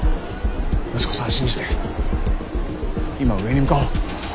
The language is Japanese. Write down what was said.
息子さんを信じて今は上に向かおう。